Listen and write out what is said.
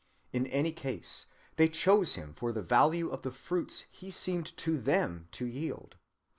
In any case, they chose him for the value of the fruits he seemed to them to yield.